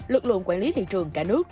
lực lượng quản lý thị trường cả nước